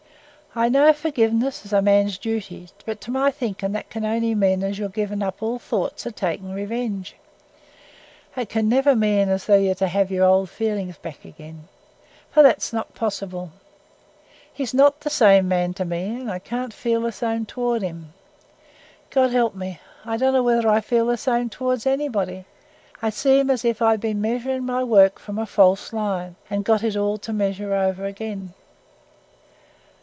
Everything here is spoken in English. I know forgiveness is a man's duty, but, to my thinking, that can only mean as you're to give up all thoughts o' taking revenge: it can never mean as you're t' have your old feelings back again, for that's not possible. He's not the same man to me, and I can't feel the same towards him. God help me! I don't know whether I feel the same towards anybody: I seem as if I'd been measuring my work from a false line, and had got it all to measure over again."